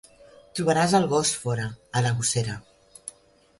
Trobaràs el gos fora, a la gossera.